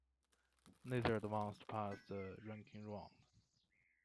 Neither advanced past the ranking round.